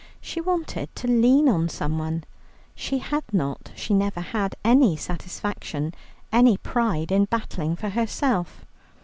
She wanted to lean on someone; she had not, she never had, any satisfaction, any pride in battling for herself.